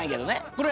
これ！